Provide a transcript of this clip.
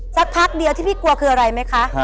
สักพักเดียวที่พี่กลัวคืออะไรไหมคะ